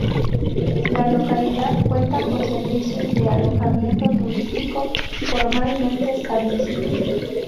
La localidad cuenta con servicios de alojamiento turístico formalmente establecidos.